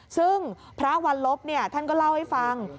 ซึ่งพระวันลบท่านก็เล่าให้ฟัง